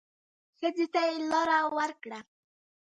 ښځې ته يې لار ورکړه.